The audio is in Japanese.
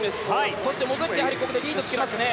そして潜ってここでリードしてますね。